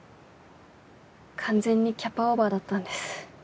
完全にキャパオーバーだったんです。